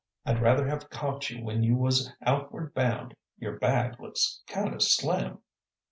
I'd rather have caught you when you was outward bound; your bag looks kind o' slim."